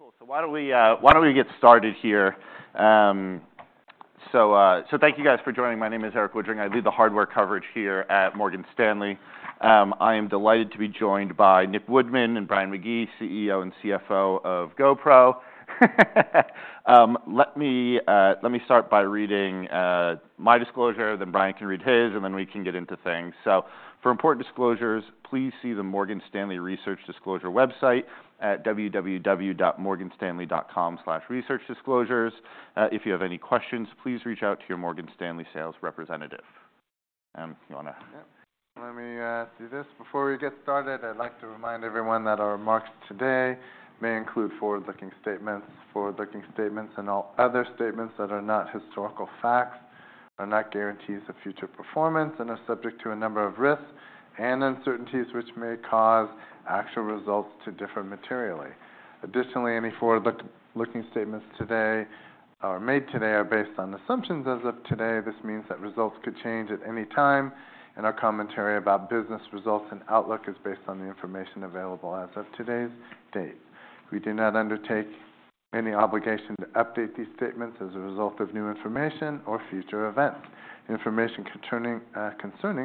Cool. So why don't we get started here? So thank you guys for joining. My name is Erik Woodring. I do the hardware coverage here at Morgan Stanley. I am delighted to be joined by Nick Woodman and Brian McGee, CEO and CFO of GoPro. Let me start by reading my disclosure, then Brian can read his, and then we can get into things. So for important disclosures, please see the Morgan Stanley Research Disclosure website at www.morganstanley.com/researchdisclosures. If you have any questions, please reach out to your Morgan Stanley sales representative. You wanna? Yeah. Let me do this. Before we get started, I'd like to remind everyone that our remarks today may include forward-looking statements. Forward-looking statements and all other statements that are not historical facts are not guarantees of future performance and are subject to a number of risks and uncertainties, which may cause actual results to differ materially. Additionally, any forward-looking statements today or made today are based on assumptions as of today. This means that results could change at any time, and our commentary about business results and outlook is based on the information available as of today's date. We do not undertake any obligation to update these statements as a result of new information or future events. Information concerning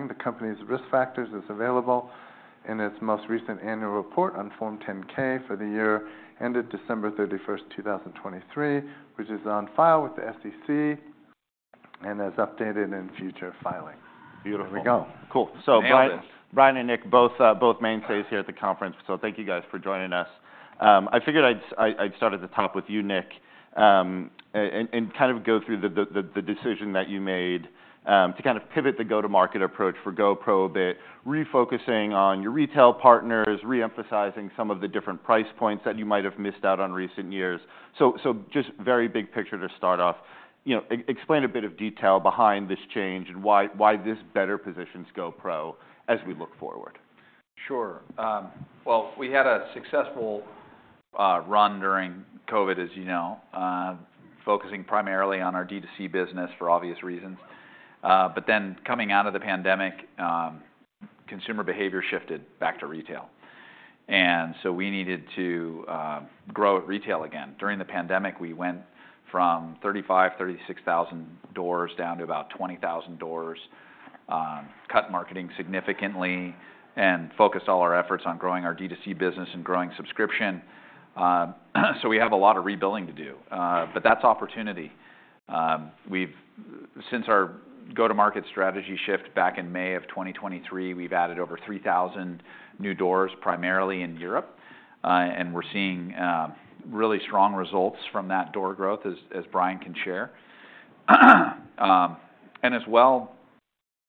the company's risk factors is available in its most recent annual report on Form 10-K for the year ended December 31, 2023, which is on file with the SEC and as updated in future filings. Beautiful. There we go. Cool. You nailed it. So, Brian and Nick, are both mainstays here at the conference, so thank you guys for joining us. I figured I'd start at the top with you, Nick, and kind of go through the decision that you made to kind of pivot the go-to-market approach for GoPro a bit, refocusing on your retail partners, re-emphasizing some of the different price points that you might have missed out on recent years. So just very big picture to start off. You know, explain a bit of detail behind this change and why this better positions GoPro as we look forward. Sure. Well, we had a successful run during COVID, as you know, focusing primarily on our D2C business for obvious reasons. But then, coming out of the pandemic, consumer behavior shifted back to retail, and so we needed to grow at retail again. During the pandemic, we went from 35-36 thousand doors down to about 20,000 doors, cut marketing significantly, and focused all our efforts on growing our D2C business and growing subscription. So we have a lot of rebuilding to do, but that's opportunity. Since our go-to-market strategy shift back in May of 2023, we've added over 3,000 new doors, primarily in Europe, and we're seeing really strong results from that door growth, as Brian can share. And as well,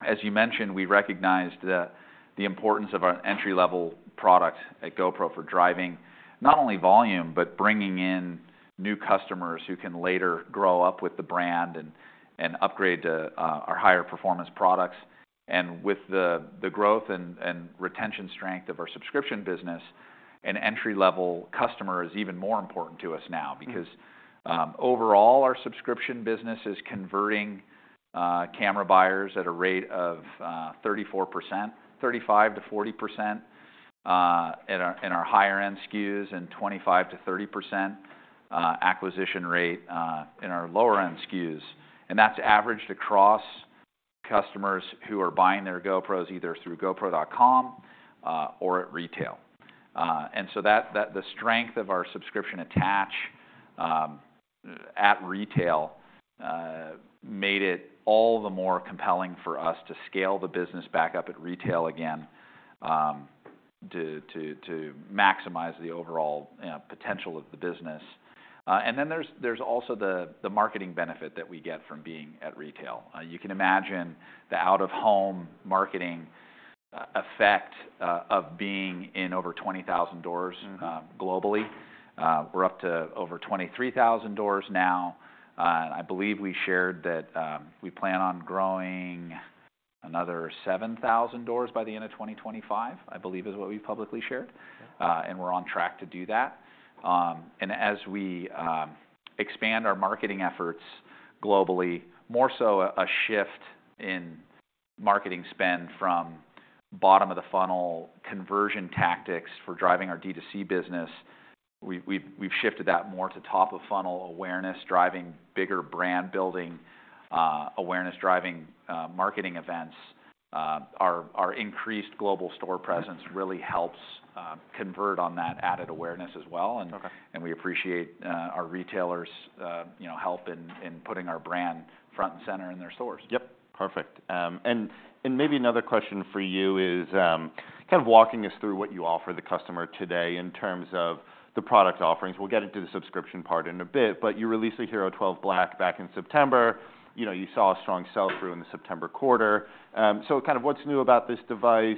as you mentioned, we recognized the importance of our entry-level product at GoPro for driving not only volume, but bringing in new customers who can later grow up with the brand and upgrade to our higher-performance products. And with the growth and retention strength of our subscription business, an entry-level customer is even more important to us now. Because, overall, our subscription business is converting camera buyers at a rate of 34%, 35%-40% in our higher-end SKUs, and 25%-30% acquisition rate in our lower-end SKUs. And that's averaged across customers who are buying their GoPros, either through GoPro.com or at retail. And so that the strength of our subscription attach at retail made it all the more compelling for us to scale the business back up at retail again to maximize the overall potential of the business. And then there's also the marketing benefit that we get from being at retail. You can imagine the out-of-home marketing effect of being in over 20,000 door globally. We're up to over 23,000 doors now. I believe we shared that we plan on growing another 7,000 doors by the end of 2025, I believe, is what we've publicly shared. And we're on track to do that. And as we expand our marketing efforts globally, more so a shift in marketing spend from bottom-of-the-funnel conversion tactics for driving our D2C business, we've shifted that more to top-of-funnel awareness, driving bigger brand building, awareness-driving marketing events. Our increased global store presence really helps convert on that added awareness as well, and we appreciate our retailers', you know, help in putting our brand front and center in their stores. Yep, perfect. And maybe another question for you is kind of walking us through what you offer the customer today in terms of the product offerings. We'll get into the subscription part in a bit, but you released the HERO12 Black back in September. You know, you saw a strong sell-through in the September quarter. So kind of what's new about this device?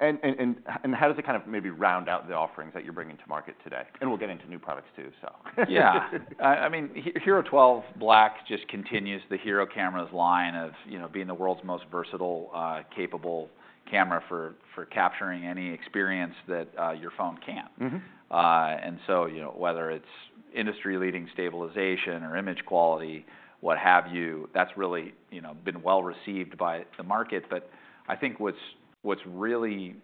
And how does it kind of maybe round out the offerings that you're bringing to market today? And we'll get into new products, too, so. Yeah. I mean, HERO12 Black just continues the HERO cameras line of, you know, being the world's most versatile, capable camera for capturing any experience that your phone can't.and so, you know, whether it's industry-leading stabilization or image quality, what have you, that's really, you know, been well-received by the market. But I think what's really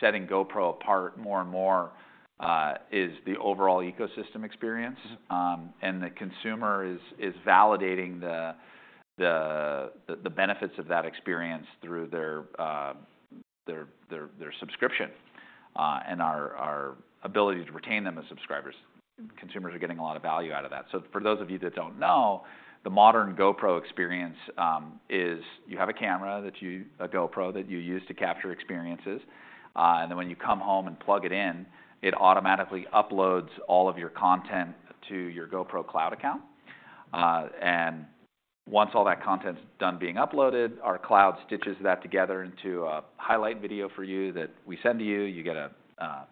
setting GoPro apart more and more is the overall ecosystem experience. And the consumer is validating the benefits of that experience through their subscription and our ability to retain them as subscribers. Consumers are getting a lot of value out of that. So for those of you that don't know, the modern GoPro experience is you have a camera, a GoPro that you use to capture experiences, and then when you come home and plug it in, it automatically uploads all of your content to your GoPro cloud account. And once all that content's done being uploaded, our cloud stitches that together into a highlight video for you that we send to you. You get a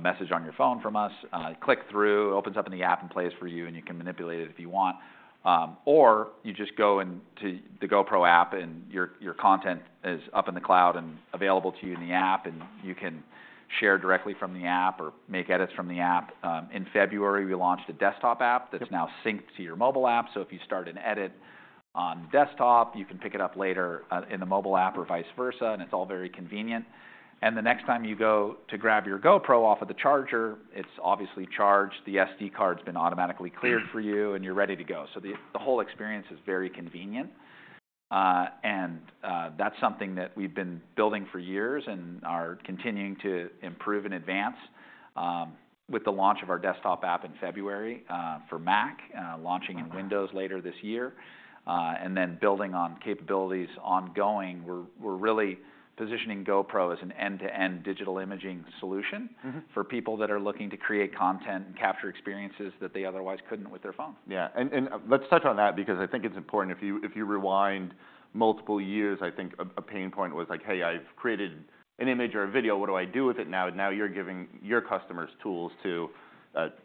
message on your phone from us, click through, opens up in the app and plays for you, and you can manipulate it if you want. Or you just go into the GoPro app, and your content is up in the cloud and available to you in the app, and you can share directly from the app or make edits from the app. In February, we launched a desktop app that's now synced to your mobile app. So if you start an edit on the desktop, you can pick it up later in the mobile app or vice versa, and it's all very convenient. And the next time you go to grab your GoPro off of the charger, it's obviously charged, the SD card's been automatically cleared for you, and you're ready to go. So the whole experience is very convenient. And that's something that we've been building for years and are continuing to improve and advance with the launch of our desktop app in February for Mac, launching in Windows later this year, and then building on capabilities ongoing. We're, we're really positioning GoPro as an end-to-end digital imaging solution for people that are looking to create content and capture experiences that they otherwise couldn't with their phone. Yeah, and let's touch on that because I think it's important. If you rewind multiple years, I think a pain point was like, "Hey, I've created an image or a video, what do I do with it now?" Now, you're giving your customers tools to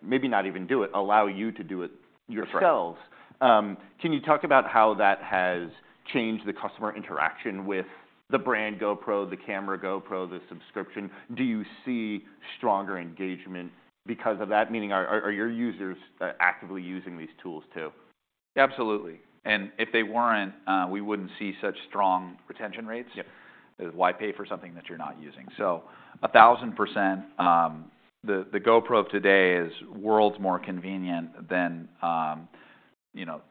maybe not even do it, allow you to do it yourselves. Right. Can you talk about how that has changed the customer interaction with the brand GoPro, the camera GoPro, the subscription? Do you see stronger engagement because of that, meaning are your users actively using these tools, too? Absolutely. And if they weren't, we wouldn't see such strong retention rates. Yep. Why pay for something that you're not using? So 1000%, the GoPro today is worlds more convenient than, you know,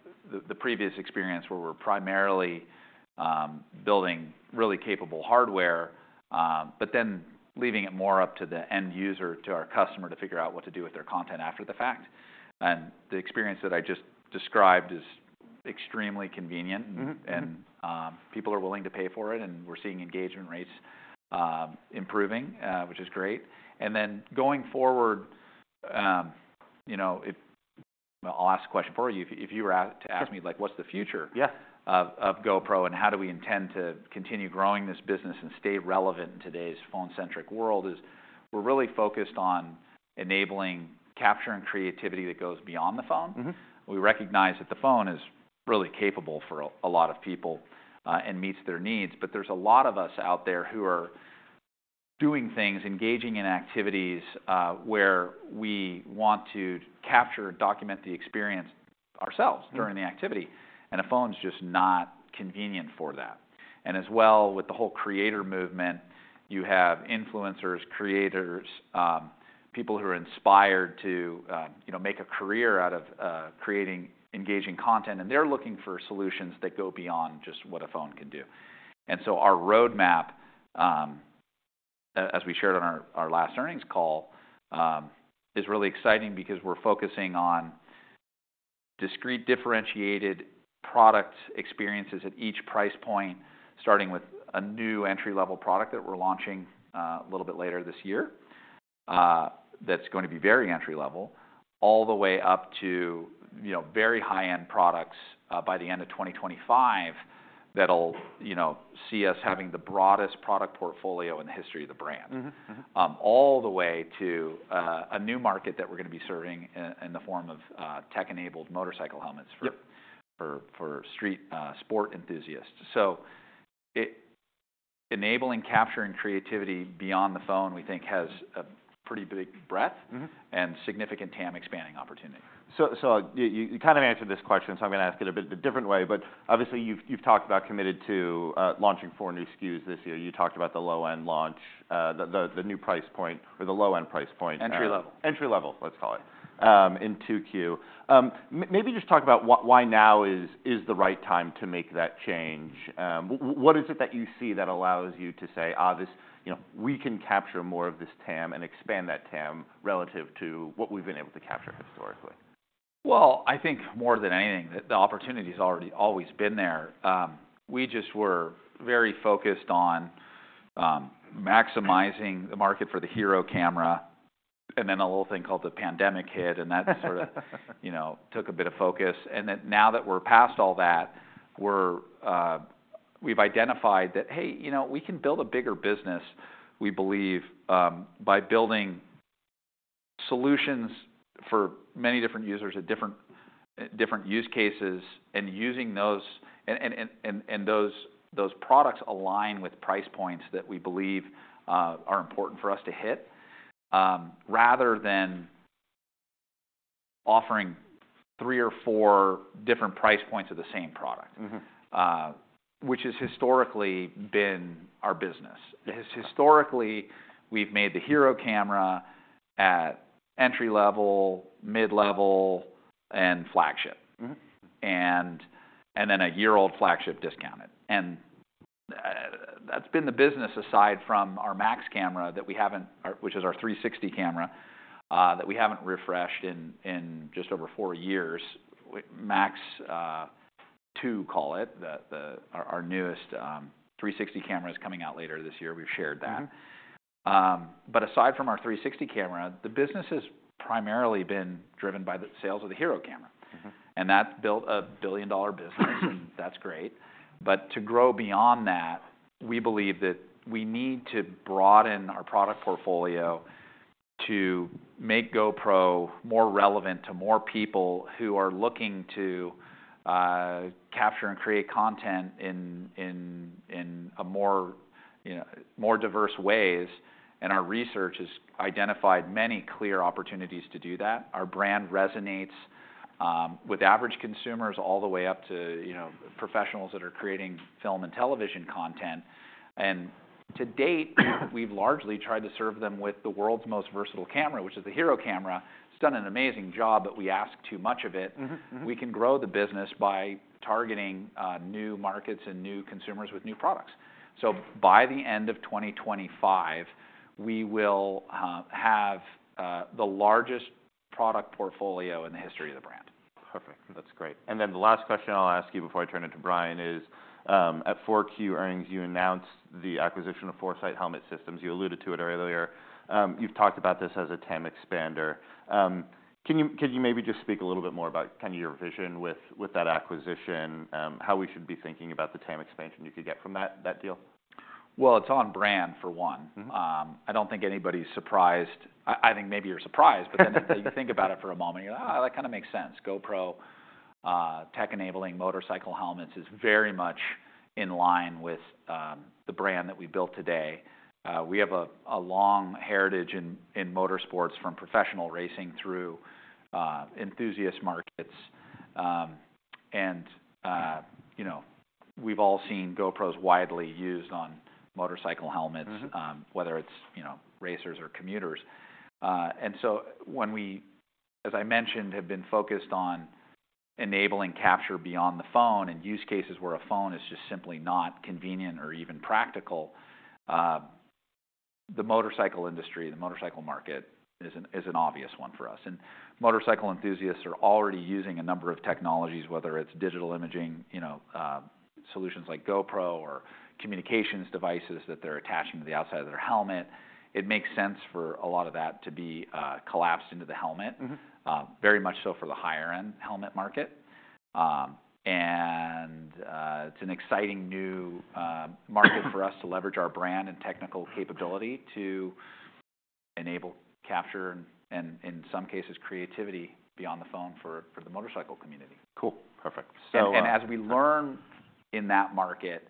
the previous experience, where we're primarily building really capable hardware, but then leaving it more up to the end user, to our customer, to figure out what to do with their content after the fact. And the experience that I just described is extremely convenient and, people are willing to pay for it, and we're seeing engagement rates improving, which is great. And then going forward, you know, I'll ask a question for you. If you were to ask m like, what's the future of GoPro, and how do we intend to continue growing this business and stay relevant in today's phone-centric world, is we're really focused on enabling capture and creativity that goes beyond the phone. We recognize that the phone is really capable for a lot of people, and meets their needs, but there's a lot of us out there who are doing things, engaging in activities, where we want to capture and document the experience ourselves during the activity, and a phone's just not convenient for that. And as well, with the whole creator movement, you have influencers, creators, people who are inspired to, you know, make a career out of creating engaging content, and they're looking for solutions that go beyond just what a phone can do. And so our roadmap, as we shared on our last earnings call, is really exciting because we're focusing on discrete, differentiated product experiences at each price point, starting with a new entry-level product that we're launching, a little bit later this year, that's going to be very entry level, all the way up to, you know, very high-end products, by the end of 2025, that'll, you know, see us having the broadest product portfolio in the history of the brand all the way to a new market that we're gonna be serving in, in the form of tech-enabled motorcycle helmets for street sport enthusiasts. So it's enabling capture and creativity beyond the phone, we think has a pretty big breadth and significant TAM expanding opportunity. So, you kind of answered this question, so I'm gonna ask it a bit of a different way. But obviously, you've talked about committed to launching four new SKUs this year. You talked about the low-end launch, the new price point, or the low-end price point. Entry level. Entry level, let's call it, in 2Q. Maybe just talk about why, why now is, is the right time to make that change. What is it that you see that allows you to say, "Ah, this- you know, we can capture more of this TAM and expand that TAM relative to what we've been able to capture historically? Well, I think more than anything, the opportunity's already always been there. We just were very focused on maximizing the market for the HERO camera, and then a little thing called the pandemic hit, and that sort of, you know, took a bit of focus. And then now that we're past all that, we're. We've identified that, hey, you know, we can build a bigger business, we believe, by building solutions for many different users at different use cases and using those. And those products align with price points that we believe are important for us to hit, rather than offering three or four different price points of the same product which has historically been our business. Yeah. Historically, we've made the HERO camera at entry level, mid-level, and flagship. And then a year-old flagship discounted. And, that's been the business aside from our MAX camera that we haven't, which is our 360 camera, that we haven't refreshed in just over four years. With MAX 2, call it, our newest 360 camera is coming out later this year. We've shared that. But aside from our 360 camera, the business has primarily been driven by the sales of the HERO camera. That's built a billion-dollar business. That's great. But to grow beyond that, we believe that we need to broaden our product portfolio to make GoPro more relevant to more people who are looking to capture and create content in a more, you know, more diverse ways. And our research has identified many clear opportunities to do that. Our brand resonates with average consumers all the way up to, you know, professionals that are creating film and television content. And to date, we've largely tried to serve them with the world's most versatile camera, which is the HERO camera. It's done an amazing job, but we ask too much of it. We can grow the business by targeting new markets and new consumers with new products. By the end of 2025, we will have the largest product portfolio in the history of the brand. Perfect. That's great. And then the last question I'll ask you before I turn it to Brian is, at 4Q earnings, you announced the acquisition of Forcite Helmet Systems. You alluded to it earlier. You've talked about this as a TAM expander. Can you maybe just speak a little bit more about kind of your vision with that acquisition, how we should be thinking about the TAM expansion you could get from that deal? Well, it's on brand, for one. I don't think anybody's surprised. I think maybe you're surprised, but then you think about it for a moment, you go, "Ah, that kind of makes sense." GoPro tech enabling motorcycle helmets is very much in line with the brand that we built today. We have a long heritage in motorsports, from professional racing through enthusiast markets. And you know, we've all seen GoPros widely used on motorcycle helmets whether it's, you know, racers or commuters. And so when we, as I mentioned, have been focused on enabling capture beyond the phone and use cases where a phone is just simply not convenient or even practical, the motorcycle industry, the motorcycle market is an obvious one for us. And motorcycle enthusiasts are already using a number of technologies, whether it's digital imaging, you know, solutions like GoPro or communications devices that they're attaching to the outside of their helmet. It makes sense for a lot of that to be collapsed into the helmet. Very much so for the higher-end helmet market. It's an exciting new market for us to leverage our brand and technical capability to enable capture and, in some cases, creativity beyond the phone for the motorcycle community. Cool. Perfect. So as we learn in that market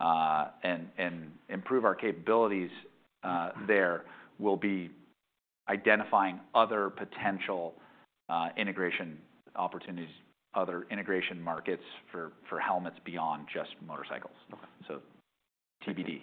and improve our capabilities there, we'll be identifying other potential integration opportunities, other integration markets for helmets beyond just motorcycles. Okay. So TBD.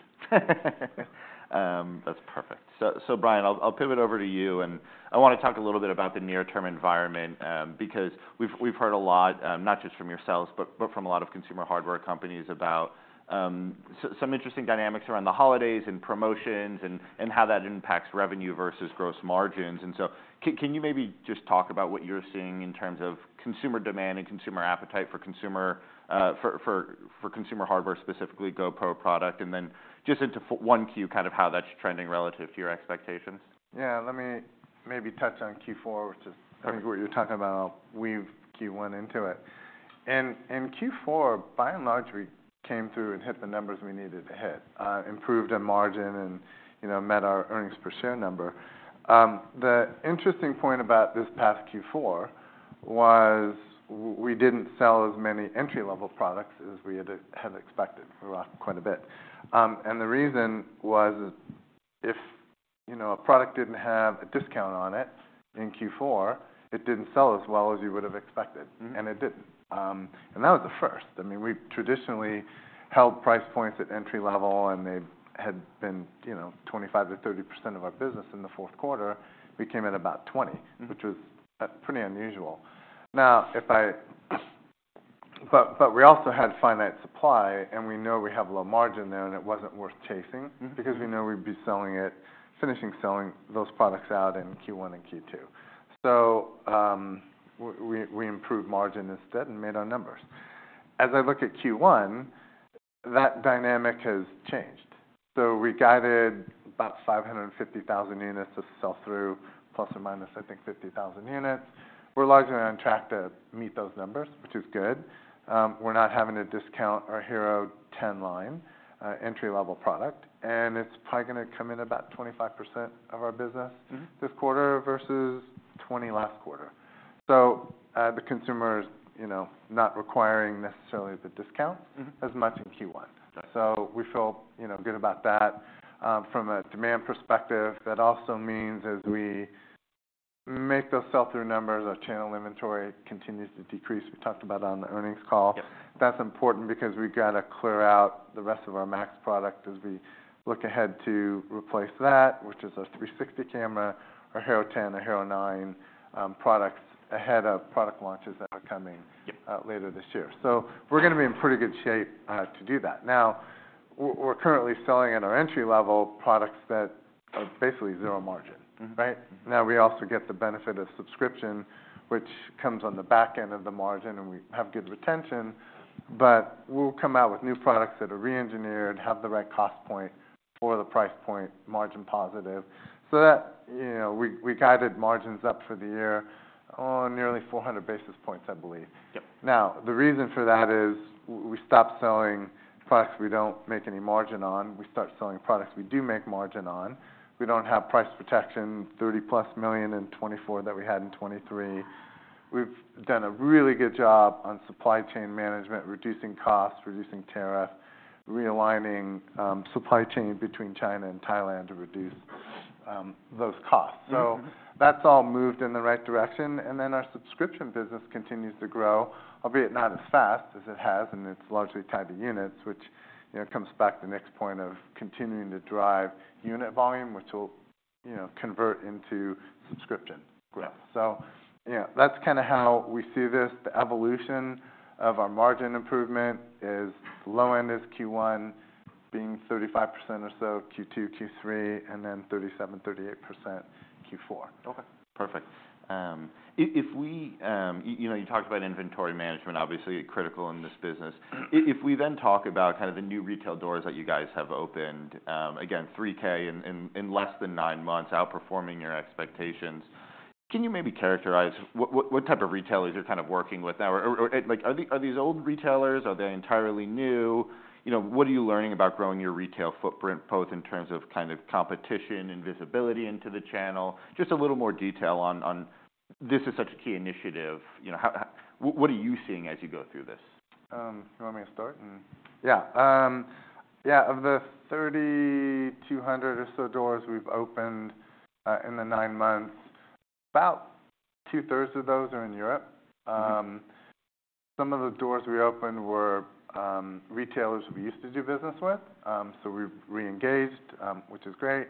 That's perfect. So, Brian, I'll pivot over to you, and I wanna talk a little bit about the near-term environment, because we've heard a lot, not just from yourselves, but from a lot of consumer hardware companies about, some interesting dynamics around the holidays and promotions and how that impacts revenue versus gross margins. And so can you maybe just talk about what you're seeing in terms of consumer demand and consumer appetite for consumer hardware, specifically GoPro product, and then just into 1Q, kind of how that's trending relative to your expectations? Yeah. Let me maybe touch on Q4, which is kind of what you're talking about, weave Q1 into it. And in Q4, by and large, we came through and hit the numbers we needed to hit, improved our margin and, you know, met our earnings per share number. The interesting point about this past Q4 was we didn't sell as many entry-level products as we had expected, quite a bit. And the reason was, you know, a product didn't have a discount on it in Q4, it didn't sell as well as you would have expected. And it didn't. And that was the first. I mean, we've traditionally held price points at entry-level, and they had been, you know, 25%-30% of our business in the fourth quarter. We came at about twenty, which was pretty unusual. Now, but we also had finite supply, and we know we have low margin there, and it wasn't worth chasing because we know we'd be selling it, finishing selling those products out in Q1 and Q2. So, we improved margin instead and made our numbers. As I look at Q1, that dynamic has changed. So we guided about 550,000 units of sell-through ±50,000 units. We're largely on track to meet those numbers, which is good. We're not having to discount our HERO10 line, entry-level product, and it's probably gonna come in about 25% of our business this quarter versus 20 last quarter. So, the consumer is, you know, not requiring necessarily the discount as much in Q1. Got it. So we feel, you know, good about that. From a demand perspective, that also means as we make those sell-through numbers, our channel inventory continues to decrease. We talked about it on the earnings call. Yep. That's important because we've got to clear out the rest of our MAX product as we look ahead to replace that, which is a 360 camera, a HERO10, a HERO9, products ahead of product launches that are coming later this year. So we're gonna be in pretty good shape, to do that. Now, we're currently selling at our entry-level products that are basically zero margin, right? Now, we also get the benefit of subscription, which comes on the back end of the margin, and we have good retention. But we'll come out with new products that are reengineered, have the right cost point or the price point, margin positive. So that, you know, we guided margins up for the year on nearly 400 basis points, I believe. Yep. Now, the reason for that is we stopped selling products we don't make any margin on. We start selling products we do make margin on. We don't have price protection, $30+ million in 2024 that we had in 2023. We've done a really good job on supply chain management, reducing costs, reducing tariff, realigning supply chain between China and Thailand to reduce those costs. So that's all moved in the right direction, and then our subscription business continues to grow, albeit not as fast as it has, and it's largely tied to units, which, you know, comes back to Nick's point of continuing to drive unit volume, which will, you know, convert into subscription growth. Yep. So yeah, that's kind of how we see this. The evolution of our margin improvement is low end is Q1, being 35% or so, Q2, Q3, and then 37%-38% Q4. Okay, perfect. If we, you know, you talked about inventory management, obviously, critical in this business. If we then talk about kind of the new retail doors that you guys have opened, again, 3,000 in less than nine months, outperforming your expectations, can you maybe characterize what type of retailers you're kind of working with now? Or, like, are these old retailers? Are they entirely new? You know, what are you learning about growing your retail footprint, both in terms of kind of competition and visibility into the channel? Just a little more detail on, This is such a key initiative. You know, how, what are you seeing as you go through this? You want me to start? Yeah. Yeah, of the 3,200 or so doors we've opened, in the nine months, about 2/3 of those are in Europe. Some of the doors we opened were retailers we used to do business with, so we've re-engaged, which is great.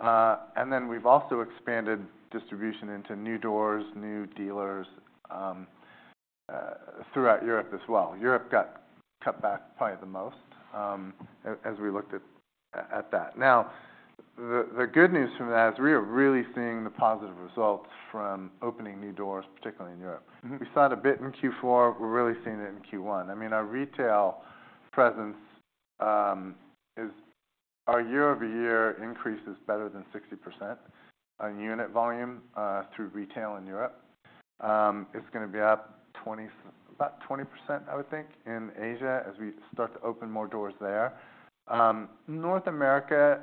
Then we've also expanded distribution into new doors, new dealers, throughout Europe as well. Europe got cut back probably the most, as we looked at that. Now, the good news from that is we are really seeing the positive results from opening new doors, particularly in Europe. We saw it a bit in Q4, we're really seeing it in Q1. I mean, our retail presence is. Our year-over-year increase is better than 60% on unit volume through retail in Europe. It's gonna be up about 20%, I would think, in Asia, as we start to open more doors there. North America,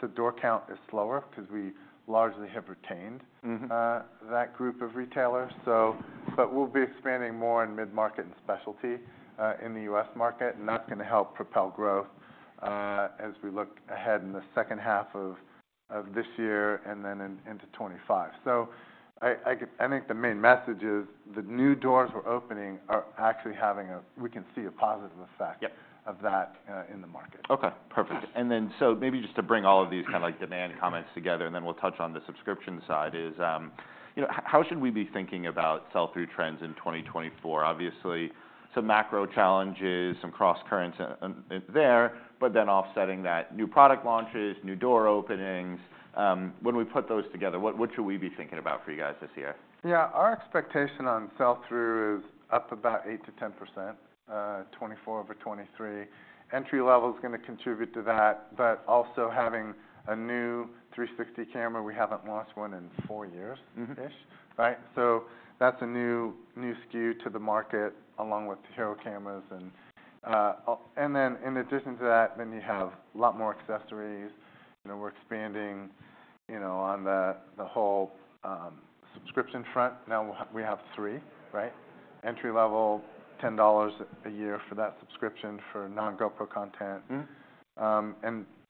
the door count is slower because we largely have retained that group of retailers. So, but we'll be expanding more in mid-market and specialty in the U.S. market, and that's gonna help propel growth as we look ahead in the second half of this year and then into 2025. So I think the main message is, the new doors we're opening are actually having a, we can see a positive effect of that, in the market. Okay, perfect. And then, so maybe just to bring all of these kind of, like, demand comments together, and then we'll touch on the subscription side is, you know, how should we be thinking about sell-through trends in 2024? Obviously, some macro challenges, some crosscurrents, there, but then offsetting that, new product launches, new door openings. When we put those together, what should we be thinking about for you guys this year? Yeah, our expectation on sell-through is up about 8%-10%, 2024 over 2023. Entry level is gonna contribute to that, but also having a new 360 camera. We haven't launched one in four years-ish, right? So that's a new, new SKU to the market, along with HERO cameras and then in addition to that, then you have a lot more accessories. You know, we're expanding, you know, on the whole, subscription front. Now we have three, right? Entry level, $10 a year for that subscription for non-GoPro content.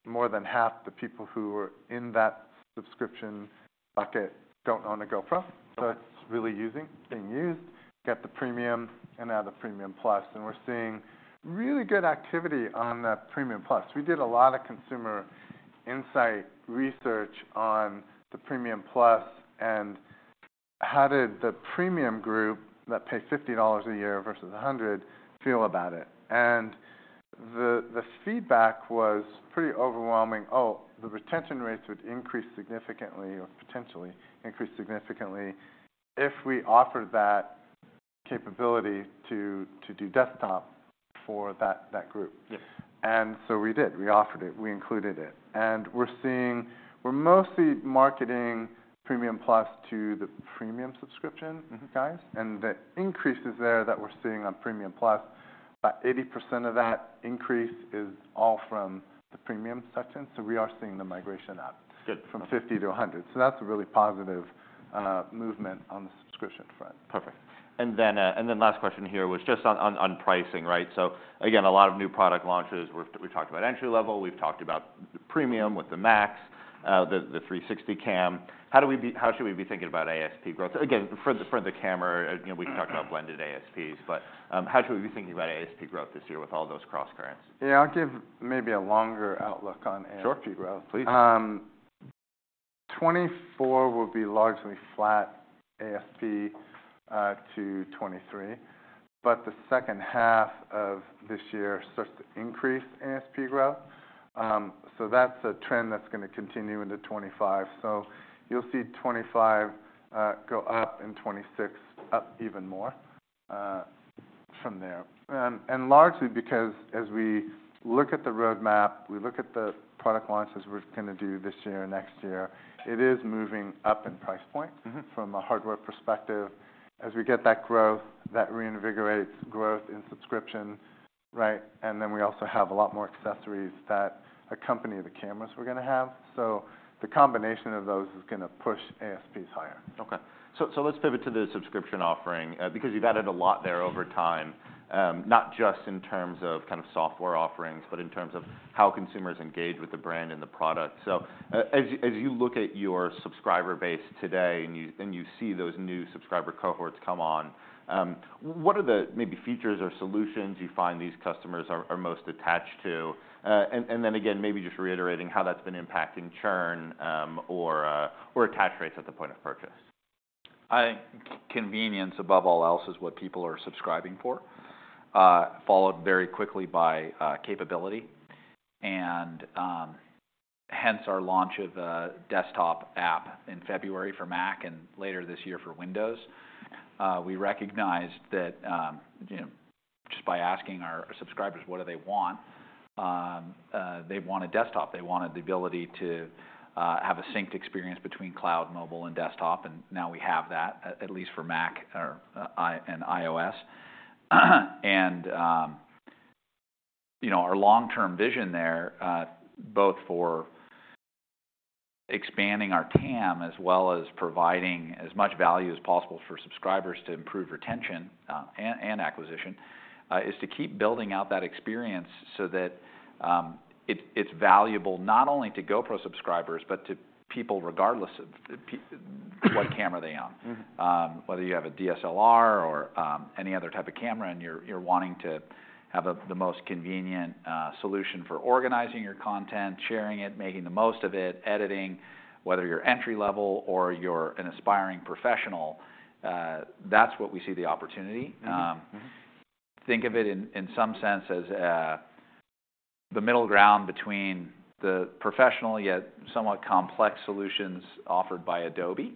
More than half the people who are in that subscription bucket don't own a GoPro. So it's really being used. Get the Premium and now the Premium+, and we're seeing really good activity on that Premium+. We did a lot of consumer insight research on the Premium+, and how did the Premium group that paid $50 a year versus $100 feel about it? And the feedback was pretty overwhelming. Oh, the retention rates would increase significantly or potentially increase significantly if we offered that capability to do desktop for that group. Yes. So we did. We offered it, we included it. We're mostly marketing Premium+ to the Premium subscription guys. And the increases there that we're seeing on Premium+, about 80% of that increase is all from the Premium section. So we are seeing the migration up from 50% to 100%. So that's a really positive movement on the subscription front. Perfect. And then last question here was just on pricing, right? So again, a lot of new product launches. We talked about entry-level, we've talked about the premium with the MAX, the 360 cam. How should we be thinking about ASP growth? Again, for the camera, you know, we talked about blended ASPs, but how should we be thinking about ASP growth this year with all those crosscurrents? Yeah, I'll give maybe a longer outlook on ASP growth. Sure, please. 2024 will be largely flat ASP to 2023, but the second half of this year starts to increase ASP growth. So that's a trend that's gonna continue into 2025. So you'll see 2025 go up in 2026 up even more from there. Largely because as we look at the roadmap, we look at the product launches we're gonna do this year and next year, it is moving up in price point from a hardware perspective. As we get that growth, that reinvigorates growth in subscription, right? And then we also have a lot more accessories that accompany the cameras we're gonna have. So the combination of those is gonna push ASPs higher. Okay. So let's pivot to the subscription offering, because you've added a lot there over time, not just in terms of kind of software offerings, but in terms of how consumers engage with the brand and the product. So, as you look at your subscriber base today, and you see those new subscriber cohorts come on, what are the maybe features or solutions you find these customers are most attached to? And then again, maybe just reiterating how that's been impacting churn, or attach rates at the point of purchase. Convenience, above all else, is what people are subscribing for, followed very quickly by capability. Hence our launch of the desktop app in February for Mac, and later this year for Windows. We recognized that, you know, just by asking our subscribers, what do they want, they want a desktop. They wanted the ability to have a synced experience between cloud, mobile and desktop, and now we have that, at least for Mac and iOS. You know, our long-term vision there, both for expanding our TAM, as well as providing as much value as possible for subscribers to improve retention, and acquisition, is to keep building out that experience so that it's valuable, not only to GoPro subscribers, but to people, regardless of what camera they own. Whether you have a DSLR or any other type of camera, and you're wanting to have the most convenient solution for organizing your content, sharing it, making the most of it, editing, whether you're entry-level or you're an aspiring professional, that's what we see the opportunity. Think of it in some sense as the middle ground between the professional, yet somewhat complex solutions offered by Adobe.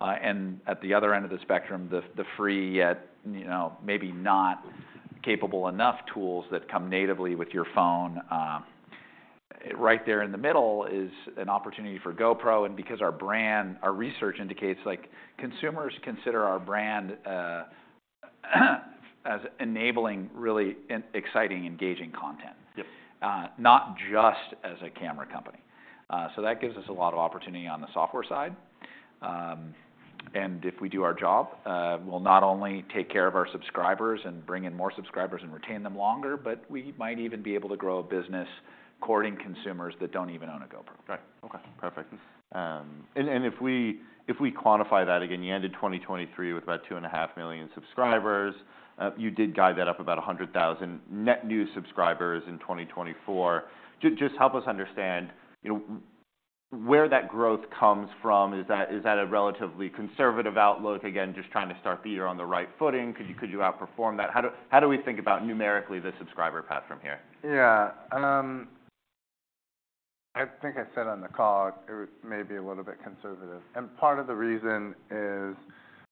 And at the other end of the spectrum, the free, yet, you know, maybe not capable enough tools that come natively with your phone. Right there in the middle is an opportunity for GoPro, and because our brand... Our research indicates, like, consumers consider our brand as enabling really exciting, engaging content. Yep Not just as a camera company. So that gives us a lot of opportunity on the software side. And if we do our job, we'll not only take care of our subscribers and bring in more subscribers and retain them longer, but we might even be able to grow a business courting consumers that don't even own a GoPro. Right. Okay, perfect. And if we quantify that again, you ended 2023 with about 2.5 million subscribers. You did guide that up about 100,000 net new subscribers in 2024. Just help us understand, you know, where that growth comes from. Is that, is that a relatively conservative outlook? Again, just trying to start the year on the right footing. Could you, could you outperform that? How do, how do we think about, numerically, the subscriber path from here? Yeah. I think I said on the call, it may be a little bit conservative, and part of the reason is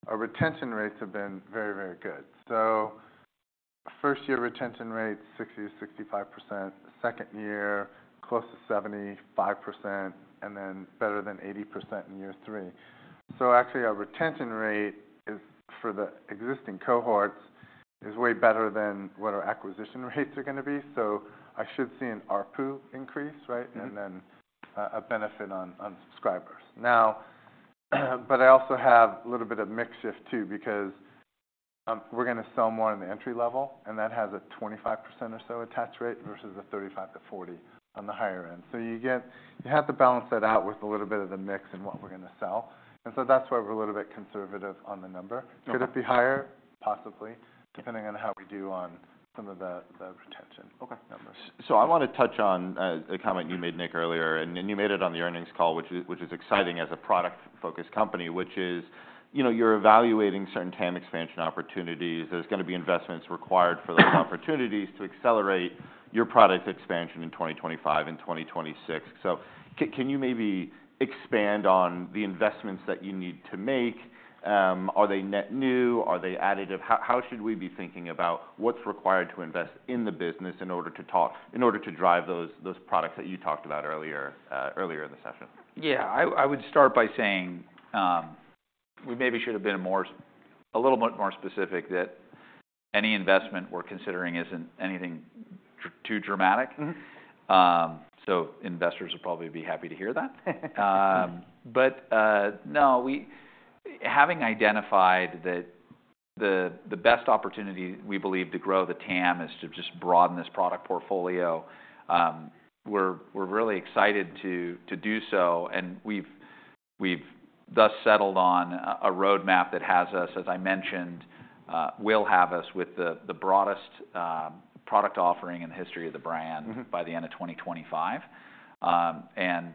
our retention rates have been very, very good. So first-year retention rate, 60%-65%. Second year, close to 75%, and then better than 80% in year three. So actually, our retention rate is, for the existing cohorts, is way better than what our acquisition rates are gonna be. So I should see an ARPU increase, right? Then, a benefit on subscribers. Now, but I also have a little bit of mix shift, too, because we're gonna sell more in the entry level, and that has a 25% or so attach rate, versus a 35%-40% on the higher end. So you have to balance that out with a little bit of the mix in what we're gonna sell, and so that's why we're a little bit conservative on the number. Okay. Could it be higher? Possibly, depending on how we do on some of the retention numbers. So I wanna touch on a comment you made, Nick, earlier, and then you made it on the earnings call, which is exciting as a product-focused company, you know, you're evaluating certain TAM expansion opportunities. There's gonna be investments required for those opportunities to accelerate your product expansion in 2025 and 2026. So can you maybe expand on the investments that you need to make? Are they net new? Are they additive? How should we be thinking about what's required to invest in the business in order to drive those products that you talked about earlier in the session? Yeah. I would start by saying, we maybe should have been a little bit more specific, that any investment we're considering isn't anything... too dramatic. So investors will probably be happy to hear that. But no, having identified that the best opportunity, we believe, to grow the TAM is to just broaden this product portfolio, we're really excited to do so, and we've thus settled on a roadmap that has us, as I mentioned, will have us with the broadest product offering in the history of the brand by the end of 2025. And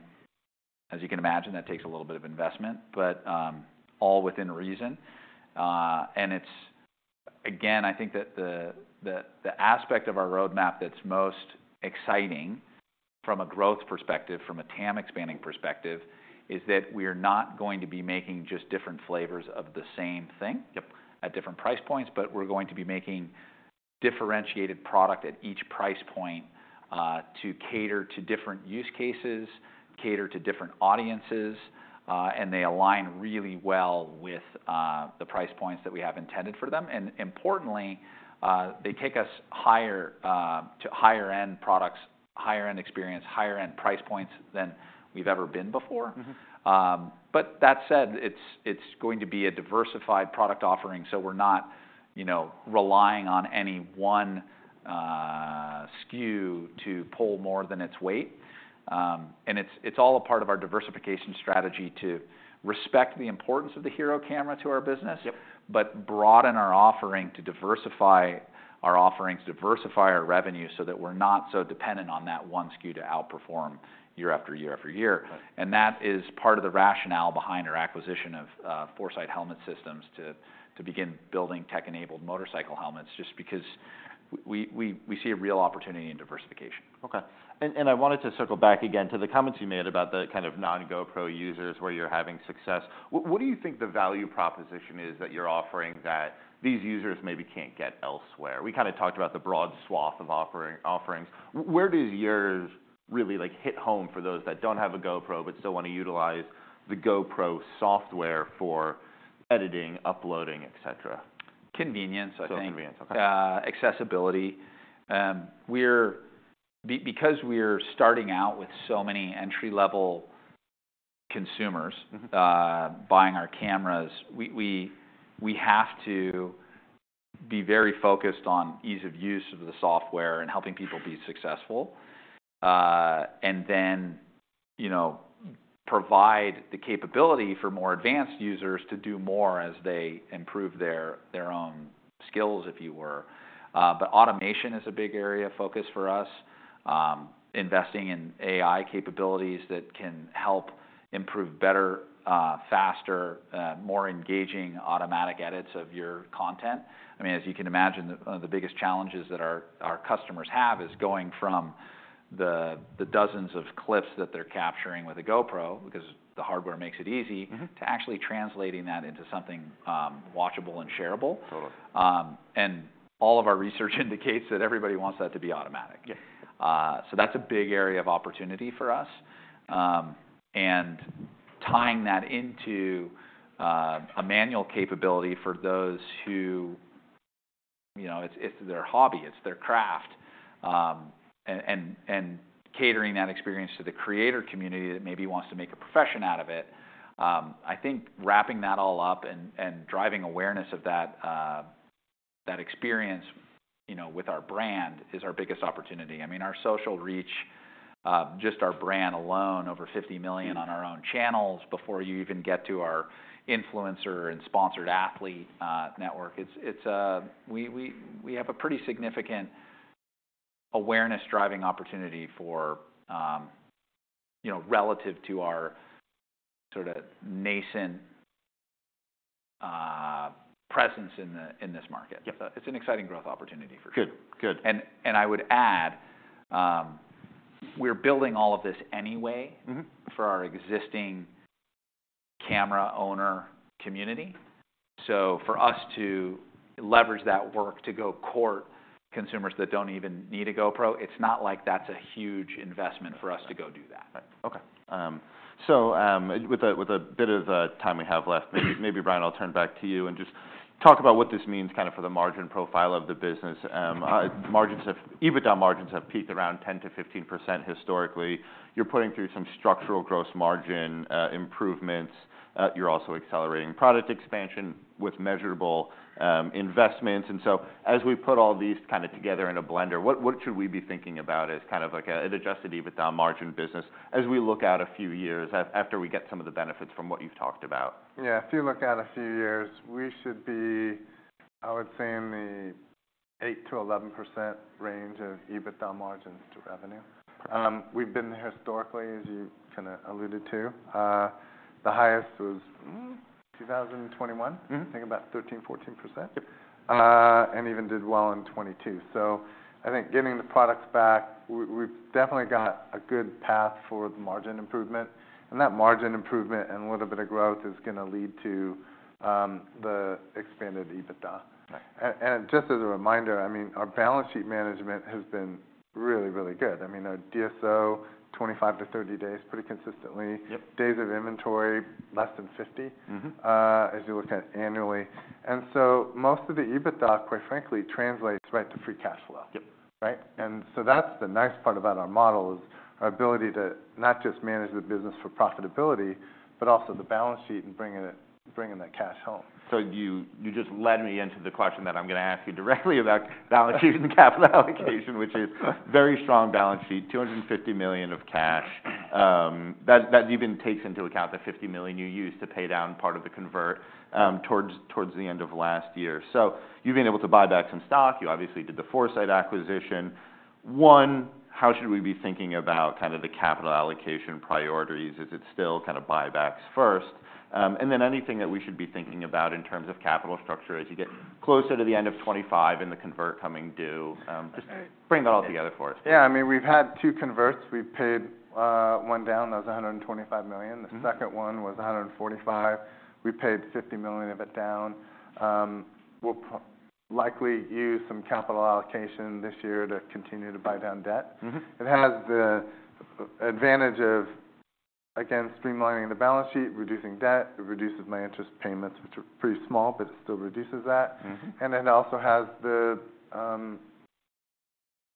as you can imagine, that takes a little bit of investment, but, all within reason. And again, I think that the aspect of our roadmap that's most exciting from a growth perspective, from a TAM expanding perspective, is that we're not going to be making just different flavors of the same thing at different price points, but we're going to be making differentiated product at each price point, to cater to different use cases, cater to different audiences, and they align really well with, the price points that we have intended for them. And importantly, they take us higher, to higher-end products, higher-end experience, higher-end price points than we've ever been before. But that said, it's going to be a diversified product offering, so we're not, you know, relying on any one SKU to pull more than its weight. And it's all a part of our diversification strategy to respect the importance of the HERO camera to our business, but broaden our offering to diversify our offerings, diversify our revenue, so that we're not so dependent on that one SKU to outperform year after year after year. Right. That is part of the rationale behind our acquisition of Forcite Helmet Systems to begin building tech-enabled motorcycle helmets, just because we see a real opportunity in diversification. Okay. And I wanted to circle back again to the comments you made about the kind of non-GoPro users where you're having success. What do you think the value proposition is that you're offering that these users maybe can't get elsewhere? We kind of talked about the broad swath of offering, offerings. Where does yours really, like, hit home for those that don't have a GoPro, but still want to utilize the GoPro software for editing, uploading, et cetera? Convenience, I think. So, convenience, okay. Accessibility. Because we're starting out with so many entry-level consumers buying our cameras, we have to be very focused on ease of use of the software and helping people be successful. And then, you know, provide the capability for more advanced users to do more as they improve their own skills, if you were. But automation is a big area of focus for us. Investing in AI capabilities that can help improve better, faster, more engaging automatic edits of your content. I mean, as you can imagine, the biggest challenges that our customers have is going from the dozens of clips that they're capturing with a GoPro, because the hardware makes it easy to actually translating that into something, watchable and shareable. Totally. All of our research indicates that everybody wants that to be automatic. Yeah. So that's a big area of opportunity for us. And tying that into a manual capability for those who, you know, it's their hobby, it's their craft, and catering that experience to the creator community that maybe wants to make a profession out of it. I think wrapping that all up and driving awareness of that experience, you know, with our brand is our biggest opportunity. I mean, our social reach, just our brand alone, over 50 million on our own channels before you even get to our influencer and sponsored athlete network. It's we have a pretty significant awareness-driving opportunity for, you know, relative to our sort of nascent presence in this market. Yep. It's an exciting growth opportunity for sure. Good. Good. I would add we're building all of this anyway for our existing camera owner community. So for us to leverage that work to go court consumers that don't even need a GoPro, it's not like that's a huge investment for us to go do that. Right. Okay, so, with a bit of time we have left, maybe, Brian, I'll turn back to you and just talk about what this means kind of for the margin profile of the business. EBITDA margins have peaked around 10%-15% historically. You're putting through some structural gross margin improvements. You're also accelerating product expansion with measurable investments. And so, as we put all these kind of together in a blender, what should we be thinking about as kind of like an adjusted EBITDA margin business as we look out a few years, after we get some of the benefits from what you've talked about? Yeah, if you look out a few years, we should be, I would say, in the 8%-11% range of EBITDA margins to revenue. We've been historically, as you kind of alluded to, the highest was, 2021. I think about 13%-14%. Yep. And even did well in 2022. So I think getting the products back, we've definitely got a good path for the margin improvement, and that margin improvement and a little bit of growth is gonna lead to the expanded EBITDA. Right. And just as a reminder, I mean, our balance sheet management has been really, really good. I mean, our DSO, 25-30 days, pretty consistently. Yep. Days of Inventory, less than 50 as you look at annually. And so most of the EBITDA, quite frankly, translates right to free cash flow. Yep. Right? And so that's the nice part about our model is our ability to not just manage the business for profitability, but also the balance sheet and bringing it, bringing that cash home. So you just led me into the question that I'm gonna ask you directly about balance sheet and capital allocation, which is very strong balance sheet, $250 million of cash. That even takes into account the $50 million you used to pay down part of the convert, towards the end of last year. So you've been able to buy back some stock. You obviously did the Forcite acquisition. How should we be thinking about kind of the capital allocation priorities? Is it still kind of buybacks first? And then anything that we should be thinking about in terms of capital structure as you get closer to the end of 2025 and the convert coming due, just bring that all together for us. Yeah, I mean, we've had two converts. We've paid one down, that was $125 million. The second one was $145 million. We paid $50 million of it down. We'll likely use some capital allocation this year to continue to buy down debt. It has the advantage of, again, streamlining the balance sheet, reducing debt. It reduces my interest payments, which are pretty small, but it still reduces that. It also has the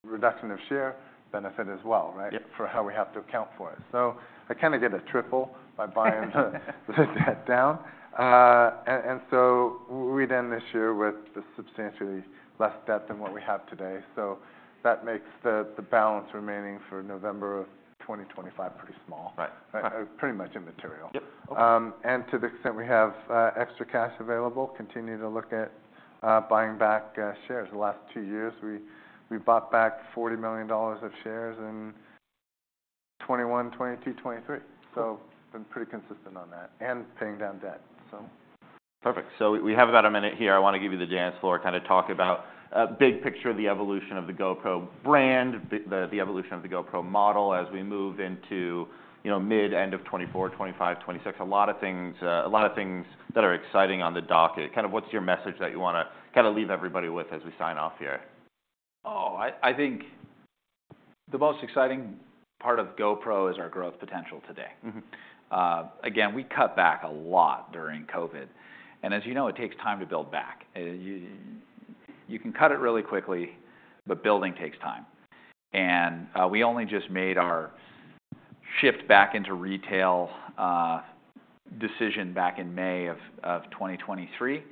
reduction of share benefit as well, right? Yep. For how we have to account for it. So I kinda get a triple by buying the debt down. And so we end this year with substantially less debt than what we have today, so that makes the balance remaining for November of 2025 pretty small. Right. Right. Pretty much immaterial. Yep. Okay. And to the extent we have extra cash available, continue to look at buying back shares. The last two years, we bought back $40 million of shares in 2021, 2022, 2023. So been pretty consistent on that and paying down debt, so. Perfect. So we have about a minute here. I wanna give you the dance floor, kind of talk about, big picture of the evolution of the GoPro brand, the, the, the evolution of the GoPro model as we move into, you know, mid, end of 2024, 2025, 2026. A lot of things, a lot of things that are exciting on the docket. Kind of what's your message that you wanna kinda leave everybody with as we sign off here? Oh, I think the most exciting part of GoPro is our growth potential today. Again, we cut back a lot during COVID, and as you know, it takes time to build back. You can cut it really quickly, but building takes time. We only just made our shift back into retail decision back in May of 2023. We've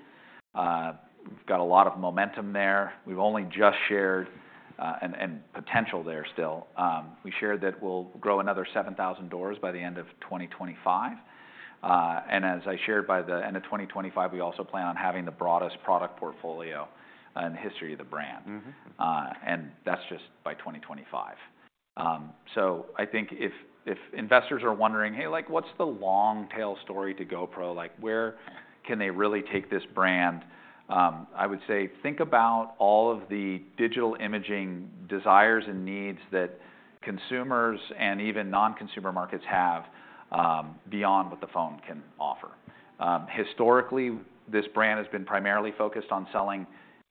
got a lot of momentum there. We've only just shared and potential there still. We shared that we'll grow another 7,000 doors by the end of 2025. And as I shared, by the end of 2025, we also plan on having the broadest product portfolio in the history of the brand.. And that's just by 2025. So I think if investors are wondering, "Hey, like, what's the long tail story to GoPro? Like, where can they really take this brand?" I would say, think about all of the digital imaging desires and needs that consumers and even non-consumer markets have, beyond what the phone can offer. Historically, this brand has been primarily focused on selling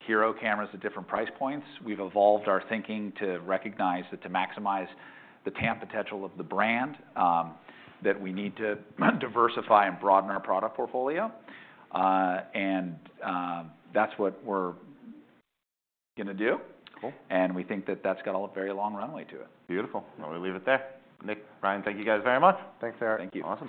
HERO cameras at different price points. We've evolved our thinking to recognize that to maximize the TAM potential of the brand, that we need to diversify and broaden our product portfolio. And that's what we're gonna do. Cool. We think that that's got a very long runway to it. Beautiful. Well, we leave it there. Nick, Brian, thank you guys very much. Thanks, Erik. Thank you. Awesome.